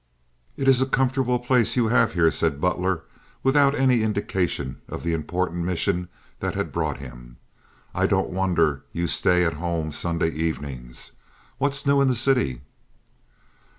"It's a comfortable place you have here," said Butler, without any indication of the important mission that had brought him. "I don't wonder you stay at home Sunday evenings. What's new in the city?"